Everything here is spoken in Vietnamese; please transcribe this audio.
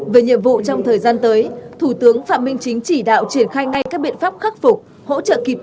về nhiệm vụ trong thời gian tới thủ tướng phạm minh chính chỉ đạo triển khai ngay các biện pháp khắc phục